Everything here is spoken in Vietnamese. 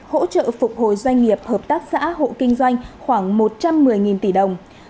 hỗ trợ phục hồi doanh nghiệp hợp tác xã hộ kinh doanh khoảng một trăm một mươi tỷ đồng